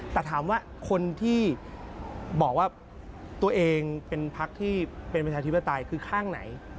แต่ถามว่าคนที่บอกว่าตัวเองเป็นพักที่เป็นประชาธิปไตยคือข้างไหน